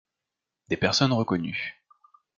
Des personnes reconnues.